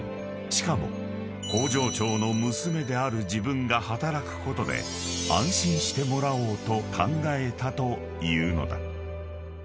［しかも工場長の娘である自分が働くことで安心してもらおうと考えたというのだ］